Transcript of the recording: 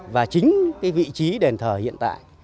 và chính cái vị trí đền thờ hiện tại